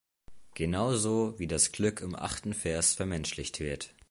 Genauso, wie das Glück im achten Vers vermenschlicht wird.